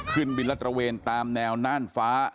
ขึ้นบินและตระเวนตามแนวน่านฟ้า